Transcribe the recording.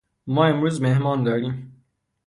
ما امروز مهمان داریم.